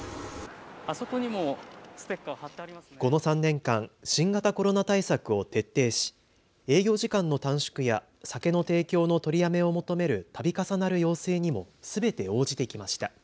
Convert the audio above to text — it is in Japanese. この３年間、新型コロナ対策を徹底し営業時間の短縮や酒の提供の取りやめを求めるたび重なる要請にもすべて応じてきました。